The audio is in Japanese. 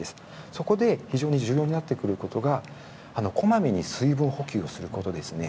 そこで、非常に重要になってくることがこまめに水分補給をすることです。